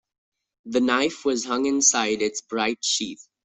The knife was hung inside its bright sheath.